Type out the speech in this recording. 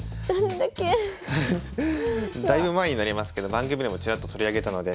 だいぶ前になりますけど番組でもちらっと取り上げたので。